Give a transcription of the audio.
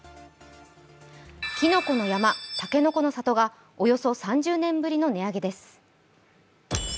きのこの山、たけのこの里がおよそ３０年ぶりの値上げです。